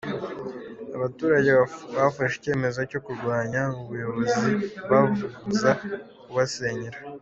Abaturage bafashe icyemezo cyo kurwanya ubuyobozi babubuza kubasenyera.